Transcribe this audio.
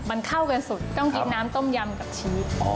มันเข้ากันสุดต้องกินน้ำต้มยำกับชีส